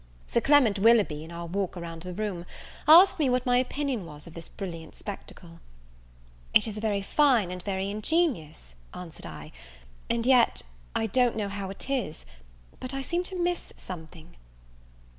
Sir Clement Willoughby, in our walk round the room, asked me what my opinion was of this brilliant spectacle! "It is a very fine, and very ingenious," answered I; "and yet I don't know how it is but I seem to miss something."